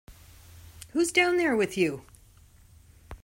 Who's down there with you?